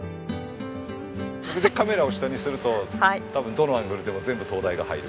時々カメラを下にすると多分どのアングルでも全部灯台が入る。